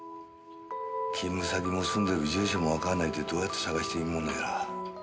勤務先も住んでる住所もわかんないとどうやって捜していいものやら。